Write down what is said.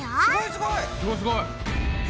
すごいすごい！